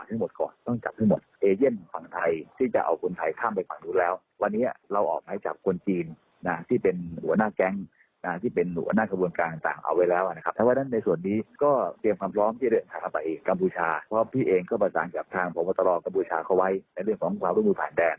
เพราะพี่เองก็ประจำกับทางประวัตรากระบวนชาขวัยในเรื่องของความรู้มือผ่านแดง